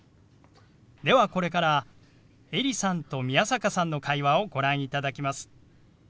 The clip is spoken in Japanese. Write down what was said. ではこれからエリさんと宮坂さんの会話をご覧いただきます。